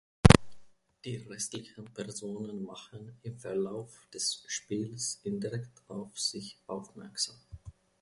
Die restlichen Personen machen im Verlauf des Spiels indirekt auf sich aufmerksam.